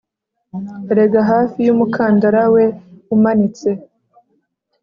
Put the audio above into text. Erega hafi yumukandara we umanitse